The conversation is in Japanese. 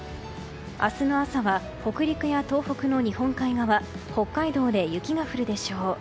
明日の朝は北陸や東北の日本海側北海道で雪が降るでしょう。